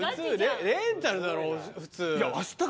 レンタルだろ普通。